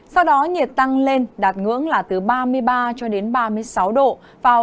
sau đó nhiệt tăng lên đạt ngưỡng là từ ba mươi ba cho đến ba mươi sáu độ